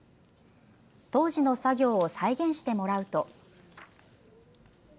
当時の作業を再現してもらうと。